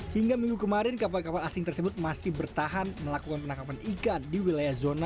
hingga minggu kemarin kapal kapal asing tersebut masih bertahan melakukan penangkapan ikan di wilayah zona